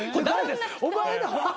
お前らは？